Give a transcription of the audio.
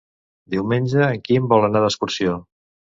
Diumenge en Quim vol anar d'excursió.